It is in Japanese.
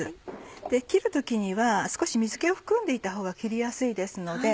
で切る時には少し水気を含んでいたほうが切りやすいですので。